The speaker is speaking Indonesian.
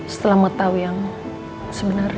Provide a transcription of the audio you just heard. setelah mengetahui yang sebenarnya